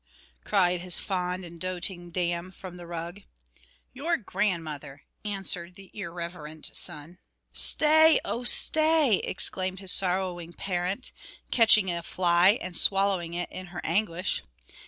cried his fond and doating dam from the rug. "Your grandmother!" answered the irreverent son. "Stay, oh! stay," exclaimed his sorrowing parent, catching a fly and swallowing it in her anguish.